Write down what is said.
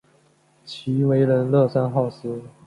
其为人乐善好施。